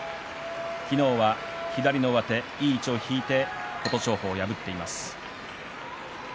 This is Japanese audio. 昨日は左の上手いい位置を引いて琴勝峰を破っています。